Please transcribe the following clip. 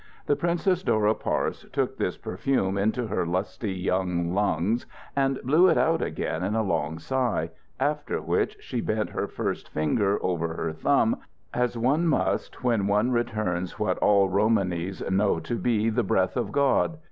The Princess Dora Parse took this perfume into her lusty young lungs and blew it out again in a long sigh, after which she bent her first finger over her thumb as one must when one returns what all Romanys know to be "the breath of God."